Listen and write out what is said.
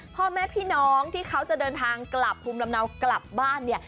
พ่อแม่พี่น้องที่เขาจะเดินทางกลับภูมิลำเนากลับบ้านเนี่ย